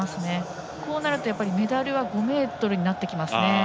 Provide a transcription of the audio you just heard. こうなるとメダルは５ｍになってきますね。